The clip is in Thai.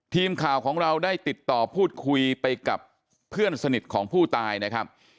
ทีมข่าวของเราได้ติดต่อพูดคุยไปกับเพื่อนสนิทของผู้ตายนะครับ